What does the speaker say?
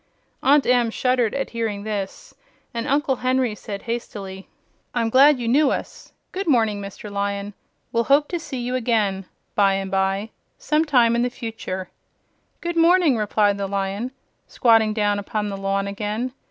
Aunt Em shuddered at hearing this, and Uncle Henry said hastily: "I'm glad you knew us. Good morning, Mr. Lion; we'll hope to see you again by and by some time in the future." "Good morning," replied the Lion, squatting down upon the lawn again.